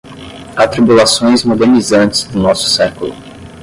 Atribulações modernizantes do nosso século